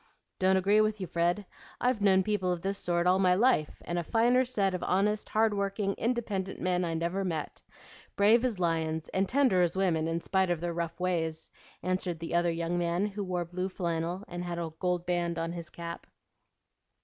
"Don't agree with you, Fred. I've known people of this sort all my life and a finer set of honest, hardworking, independent men I never met, brave as lions and tender as women in spite of their rough ways," answered the other young man, who wore blue flannel and had a gold band on his cap.